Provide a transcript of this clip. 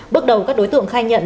bước đầu các đối tượng khai nhận